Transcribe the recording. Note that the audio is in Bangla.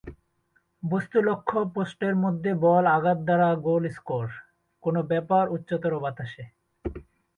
বস্তু লক্ষ্য পোস্টের মধ্যে বল আঘাত দ্বারা গোল স্কোর, কোন ব্যাপার উচ্চতর বাতাসে।